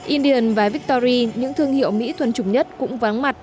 indian và victory những thương hiệu mỹ thuần chủng nhất cũng vắng mặt